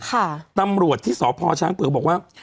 ค่ะตำรวจที่สพช้างเปลือกว่า